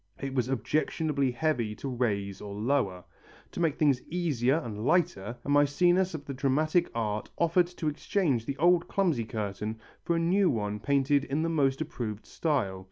It was objectionably heavy to raise or lower. To make things easier and lighter, a Mæcenas of the dramatic art offered to exchange the old clumsy curtain for a new one painted in the most approved style.